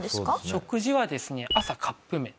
食事はですね朝カップ麺。